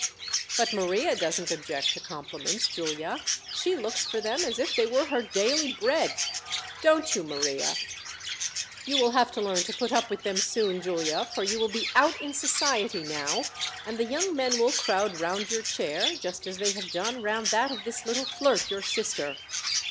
"But Maria doesn't object to compliments, Giulia. She looks for them as if they were her daily bread "Don't you, Maria "You will have to learn to put up with them soon, Giulia, for you will be out in society now, and the young men will crowd round your chair, just as they have done round that of this little flirt, your sister."